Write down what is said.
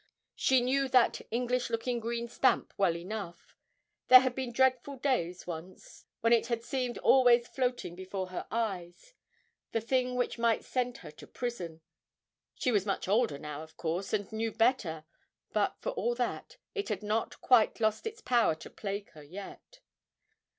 She knew that English looking green stamp well enough; there had been dreadful days once when it had seemed always floating before her eyes, the thing which might send her to prison; she was much older now, of course, and knew better; but, for all that, it had not quite lost its power to plague her yet.